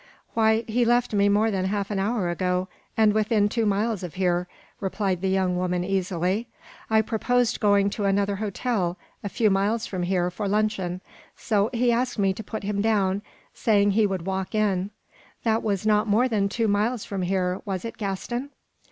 "Why, he left me more than half an hour ago, and within two miles of here," replied the young woman, easily. "I proposed going to another hotel, a few miles from here, for luncheon. So he asked me to put him down, saying he would walk in. That was not more than two miles from here, was it, Gaston?"